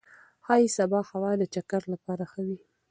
ښايي سبا هوا د چکر لپاره ښه وي.